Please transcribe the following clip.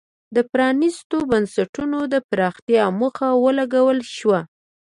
د پرانیستو بنسټونو د پراختیا موخه ولګول شوه.